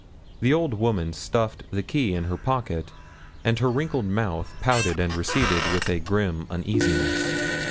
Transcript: The old woman stuffed the key in her pocket, and her wrinkled mouth pouted and receded with a grim uneasiness.